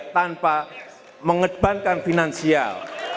tanpa mengembangkan finansial